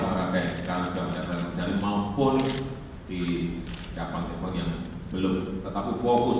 luar rakyat yang sekarang sudah berjalan jalan maupun di capang capang yang belum tetap fokus